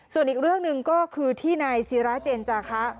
ส่วนอีกเรื่องหนึ่งก็คือที่นายศิราเจนจาคะ